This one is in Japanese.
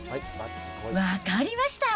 分かりました。